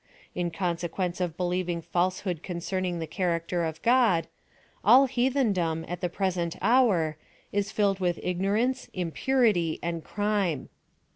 In rons6|uence of believing falsehood concerning the character of God, all lieathendom, at the present hour, is filled with ignorance, impurity and crime.